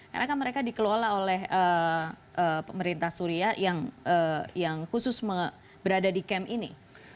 karena kan mereka dikelola oleh pemerintah suria yang khusus berada di camp ini